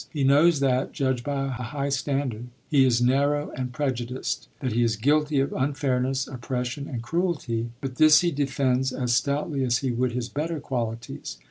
He knows that, judged by a high standard, he is narrow and prejudiced, that he is guilty of unfairness, oppression, and cruelty, but this he defends as stoutly as he would his better qualities.